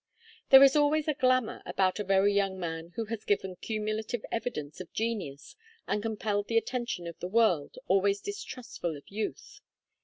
There is always a glamour about a very young man who has given cumulative evidence of genius and compelled the attention of the world, always distrustful of youth.